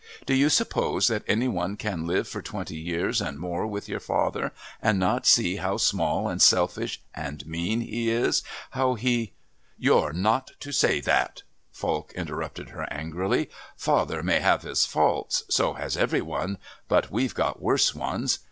Do you suppose that any one can live for twenty years and more with your father and not see how small and selfish and mean he is? How he " "You're not to say that," Falk interrupted her angrily. "Father may have his faults so has every one but we've got worse ones.